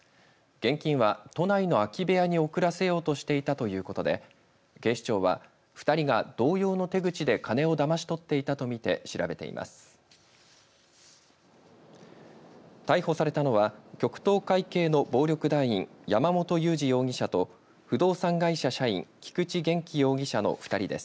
現金は都内の空き部屋に送らせようとしていたということで警視庁は２人が同様の手口で金をだまし取っていたとみて調べています。